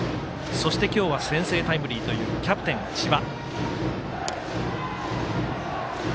そして今日は先制タイムリーというキャプテン、千葉。